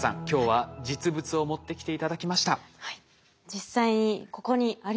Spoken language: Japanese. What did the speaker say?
実際にここにありますね。